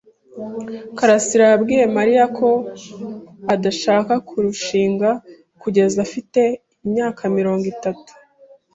karasira yabwiye Mariya ko adashaka kurushinga kugeza afite imyaka mirongo itatu.